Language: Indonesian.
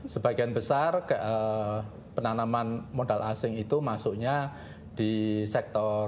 sebagian besar penanaman modal asing itu masuknya di sektor